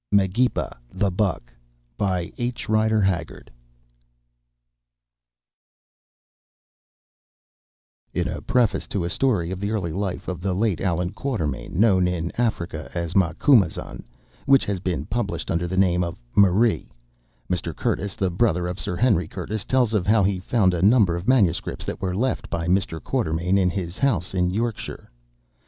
MAGEPA THE BUCK In a preface to a story of the early life of the late Allan Quatermain, known in Africa as Macumazahn, which has been published under the name of "Marie," Mr. Curtis, the brother of Sir Henry Curtis, tells of how he found a number of manuscripts that were left by Mr. Quatermain in his house in Yorkshire.